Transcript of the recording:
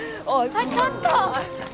あっちょっと！